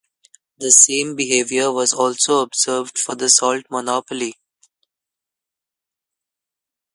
The same behavior was also observed for the salt monopoly.